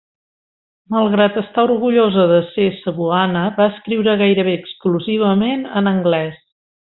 Malgrat estar orgullosa de ser cebuana, va escriure gairebé exclusivament en anglès.